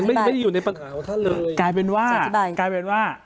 มันไม่ได้อยู่ในปัญหาของท่านเลยกลายเป็นว่ากลายเป็นว่า